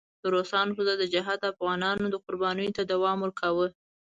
د روسانو پر ضد جهاد د افغانانو قربانیو ته دوام ورکاوه.